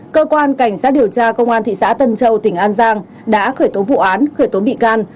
cơ quan cảnh sát điều tra công an thị xã tân châu tỉnh an giang đã khởi tố vụ án khởi tố bị can